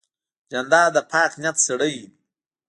جانداد د پاک نیت سړی دی.